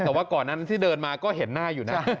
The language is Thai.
แต่ว่าก่อนนั้นที่เดินมาก็เห็นหน้าอยู่นะ